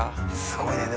すごいね。